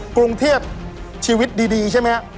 กรุงเทียบชีวิตดีใช่ไหม